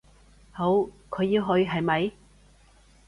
好，佢要去，係咪？